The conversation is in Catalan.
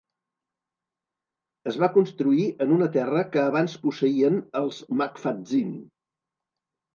Es va construir en una terra que abans posseïen els Macfadzean.